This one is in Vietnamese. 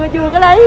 chưa có lấy